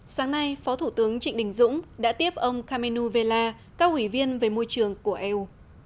sáng nay phó thủ tướng trịnh đình dũng đã tiếp ông kamenu vella các ủy viên về môi trường của eu